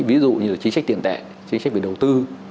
ví dụ như là chính trách tiền tệ chính trách về đầu tư